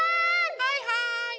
はいはい。